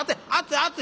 熱い！